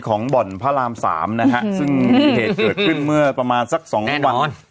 บ่อนพระรามสามนะฮะซึ่งเหตุเกิดขึ้นเมื่อประมาณสักสองวัน